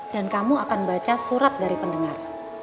kamu akan baca surat dari pendengar